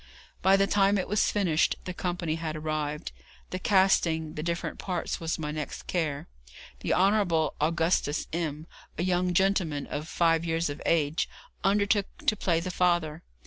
By the time it was finished the company had arrived. The casting the different parts was my next care. The Honourable Augustus M , a young gentleman of five years of age, undertook to play the father.